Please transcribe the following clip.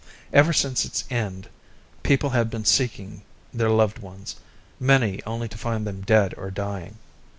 Ever since its end, people had been seeking their loved ones; many, only to find them dead or dying.